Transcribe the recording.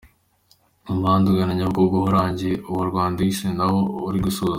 Umuhanda ugana Nyabugogo wararangiye, uwa Rwandex nawo uri gusozwa.